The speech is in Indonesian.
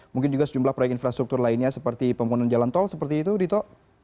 mungkin juga sejumlah proyek infrastruktur lainnya seperti pembangunan jalan tol seperti itu dito